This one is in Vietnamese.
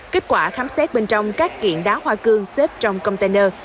kết quả khám xét bên trong các kiện đá hoa cương xếp trong container